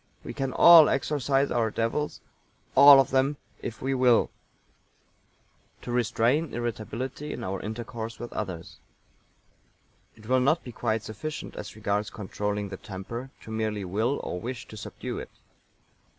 We can all exorcise our devils all of them if we will. To restrain irritability in our intercourse with others. It will not be quite sufficient as regards controlling the temper to merely will, or wish to subdue it.